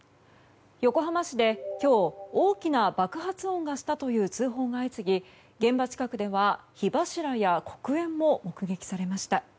横浜市で今日大きな爆発音がしたという通報が相次ぎ現場近くでは火柱や黒煙も目撃されました。